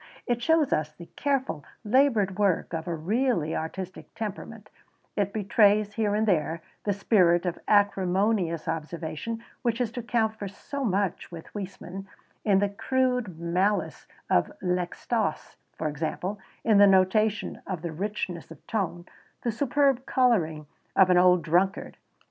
It shows us the careful, laboured work of a really artistic temperament; it betrays, here and there, the spirit of acrimonious observation which is to count for so much with Huysmans in the crude malice of 'L'Extase,' for example, in the notation of the 'richness of tone,' the 'superb colouring,' of an old drunkard.